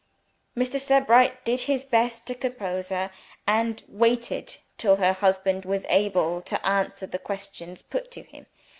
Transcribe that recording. Mr. Sebright did his best to compose her, and waited till her husband was able to answer the questions put to him.